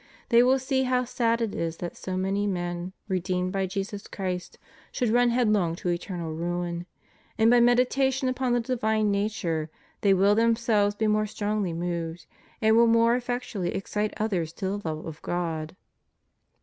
They will see how sad it is that so many men, redeemed by Jesus Christ, should run headlong to eternal ruin; and by meditation upon the divine nature they will themselves be more strongly moved, and will more effectually excite others to the love of God.